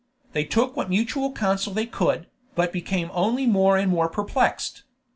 They took what mutual counsel they could, but became only more and more perplexed.